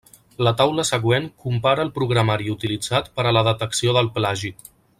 La taula següent compara el programari utilitzat per a la detecció del plagi.